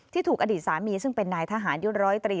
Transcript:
ที่ถูกอดีตสามีซึ่งเป็นนายทหารยุทธ์๑๐๓